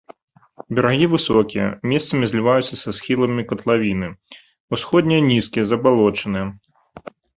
Берагі высокія, месцамі зліваюцца са схіламі катлавіны, усходнія нізкія, забалочаныя.